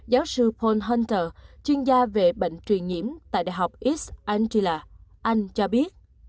giáo sư paul hunter chuyên gia về bệnh truyền nhiễm tại đại học east anglia anh cho biết